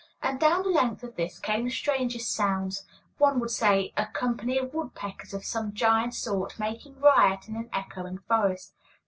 And down the length of this came the strangest sounds one would say a company of woodpeckers of some giant sort making riot in an echoing forest.